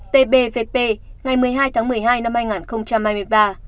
tám trăm hai mươi tám tbvp ngày một mươi hai tháng một mươi hai năm hai nghìn hai mươi ba